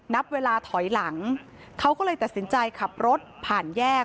นับเวลาถอยหลังเขาก็เลยตัดสินใจขับรถผ่านแยก